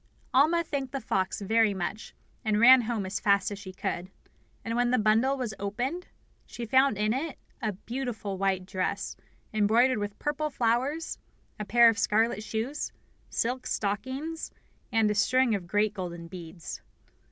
Alma thanked the fox very much, and ran home as fast as she could; and when the bundle was opened she found in it a beautiful white dress embroidered with purple flowers, a pair of scarlet shoes, silk stockings, and a string of great golden beads.